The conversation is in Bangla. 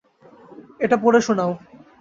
এটা পড়ে শোনাও।